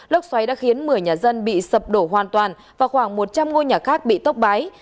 lốc xoáy đã khiến một mươi nhà dân bị sập đổ hoàn toàn và khoảng một trăm linh ngôi nhà khác bị tốc mái